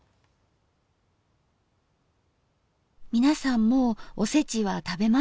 皆さんもう「おせち」は食べましたか？